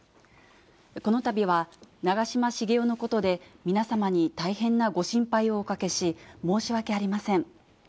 このたびは長嶋茂雄のことで皆様に大変なご心配をおかけし、申し訳ありません。